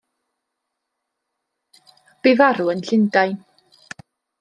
Bu farw yn Llundain.